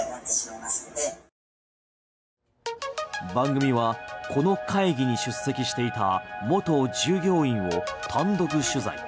番組はこの会議に出席していた元従業員を単独取材。